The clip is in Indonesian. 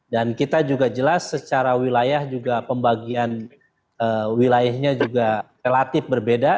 dan kita juga jelas secara wilayah juga pembagian wilayahnya juga relatif berbeda